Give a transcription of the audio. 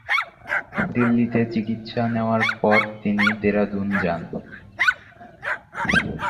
দিল্লিতে চিকিৎসা নেওয়ার পর তিনি দেরাদুন যান।